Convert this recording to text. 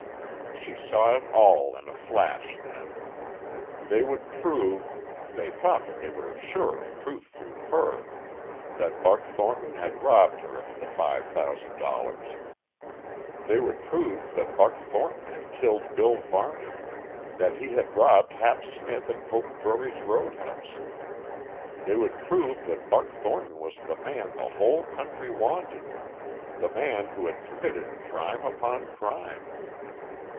She saw it all in a flash then! They would prove ... they thought that they were sure of proof through her! ... that Buck Thornton had robbed her of the five thousand dollars. They would prove that Buck Thornton had killed Bill Varney; that he had robbed Hap Smith at Poke Drury's road house; they would prove that Buck Thornton was the man the whole country wanted, the man who had committed crime upon crime!